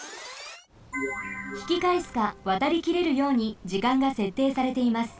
ひきかえすかわたりきれるように時間がせっていされています。